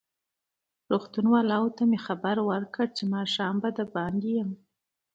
روغتون والاوو ته مې خبر ورکړ چې ماښام به دباندې یم.